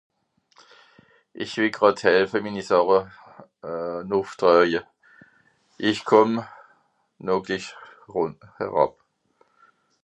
Ìch wìll gràd helfe, mini Sàche nùff traawe, ìch kùmm no glich eràb.